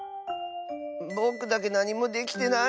ぼくだけなにもできてない。